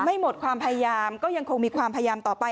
ไม่หมดความพยายามก็ยังคงมีความพยายามต่อไป